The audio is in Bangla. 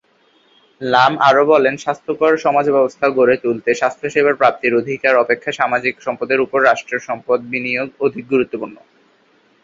লাম আরও বলেন, স্বাস্থ্যকর সমাজ ব্যবস্থা গড়ে তুলতে স্বাস্থ্যসেবার প্রাপ্তির অধিকার অপেক্ষা সামাজিক সম্পদের উপর রাষ্ট্রের সম্পদ বিনিয়োগ অধিক গুরুত্বপূর্ণ।